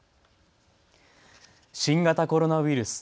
新型コロナウイルス。